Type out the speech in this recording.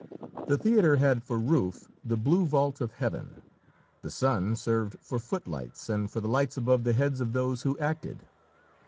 The theatre had for roof the blue vault of heaven; the sun served for footlights and for the lights above the heads of those who acted.